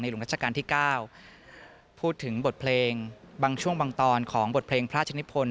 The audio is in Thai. หลวงราชการที่๙พูดถึงบทเพลงบางช่วงบางตอนของบทเพลงพระราชนิพล